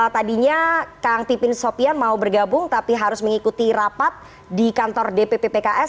tadinya kang pipin sopian mau bergabung tapi harus mengikuti rapat di kantor dpp pks